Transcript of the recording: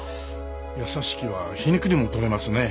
「優しき」は皮肉にもとれますね。